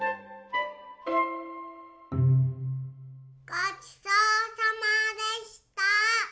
ごちそうさまでした！